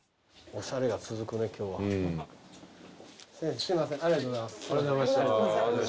おしゃれが続くね